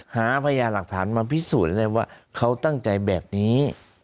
หาพยาหลักฐานมาพิสูจน์ได้ว่าเขาตั้งใจแบบนี้